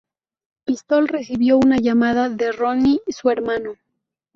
Pistol recibió una llamada de Ronnie, su hermano.